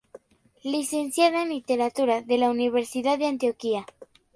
Licenciada en Literatura de la Universidad de Antioquia.